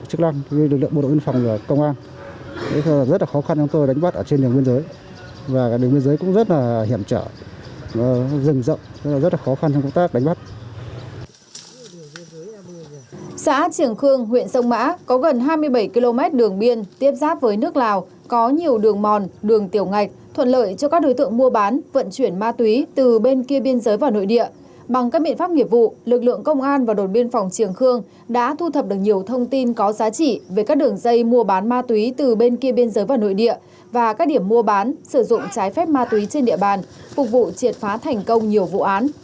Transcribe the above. tại bản liên hồng xã triềng khương huyện sông mã đồn biên phòng triềng khương phối hợp với các lực lượng công an xã phát hiện bắt giữ